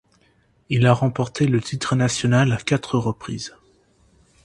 Il a remporté le titre national à quatre reprises.